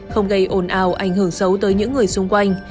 không gây ồn ào ảnh hưởng xấu tới những người xung quanh